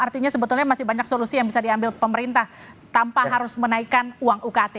artinya sebetulnya masih banyak solusi yang bisa diambil pemerintah tanpa harus menaikkan uang ukt